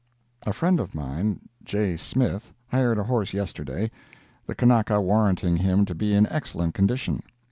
A friend of mine, J. Smith, hired a horse yesterday, the Kanaka warranting him to be in excellent condition.